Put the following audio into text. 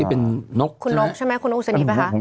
ที่เป็นนกใช่ไหมคุณอุศนีร์ไหมคะ